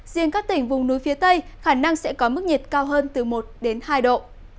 riêng các tỉnh vùng núi phía tây khả năng sẽ có mức nhiệt cao hơn từ một đến hai độ